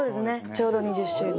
ちょうど２０周年。